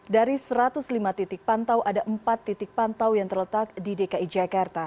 dari satu ratus lima titik pantau ada empat titik pantau yang terletak di dki jakarta